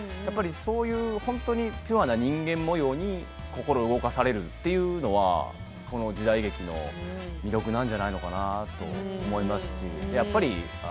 そういう本当にピュアな人間もように心を動かされるというのはこの時代劇の魅力なんじゃないかなと思いますね。